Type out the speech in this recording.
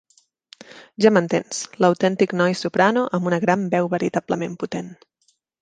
Ja m'entens, l'autèntic noi soprano amb una gran veu veritablement potent.